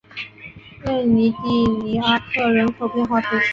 瑞斯蒂尼阿克人口变化图示